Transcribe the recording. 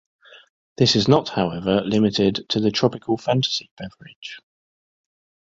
This is not however limited to the Tropical Fantasy beverage.